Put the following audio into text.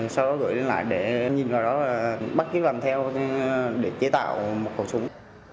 sau đó gửi lên lại để nhìn vào đó và bắt kiếm làm theo để chế tạo một khẩu súng